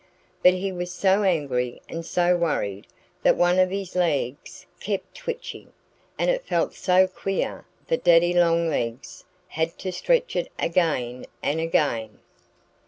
But he was so angry and so worried that one of his legs kept twitching; and it felt so queer that Daddy Longlegs had to stretch it again and again.